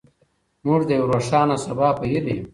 موږ د یو روښانه سبا په هیله یو.